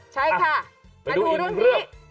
ใช่ค่ะมาดูเรื่องที่